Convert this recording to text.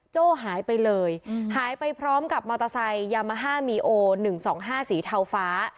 โจ้หายไปเลยหายไปพร้อมกับมอเตอร์ไซค์ยามาฮ่ามีโอ๑๒๕สีเทาฟ้า